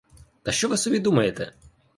Та що ви собі думаєте?